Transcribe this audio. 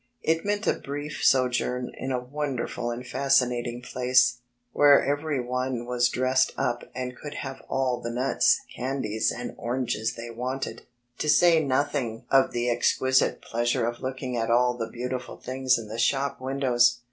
It meant a brief sojourn in a wonderful and fascinaung place, where every one was dressed up and could have all the nuts, candies, and oranges they wanted, to say nothing D,i„Mb, Google of the exquisite pleasure of looking at all the beautiful things in the shop windows.